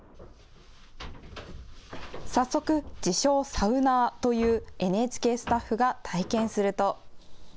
早速、自称サウナ−というＮＨＫスタッフが体験すると。